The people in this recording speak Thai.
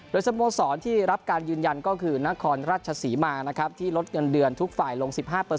โดยสโมสรที่รับการยืนยันก็คือนครราชศรีมานะครับที่ลดเงินเดือนทุกฝ่ายลง๑๕